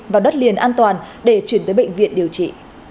vào đất liền an toàn để chuyển tới bệnh viện điều trị